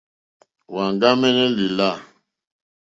Wàŋɡámɛ́nɛ́ lìlâ.